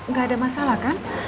gak ada masalah kan